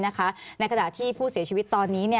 ในขณะที่ผู้เสียชีวิตตอนนี้